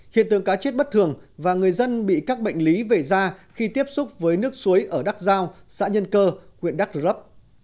hiện tượng cá chết bất thường và người dân bị các bệnh lý về da khi tiếp xúc với nước suối ở đắk giao xã nhân cơ quyện đắk lập